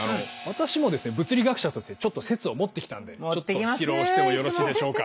私もですね物理学者としてちょっと説を持ってきたのでちょっと披露してもよろしいでしょうか。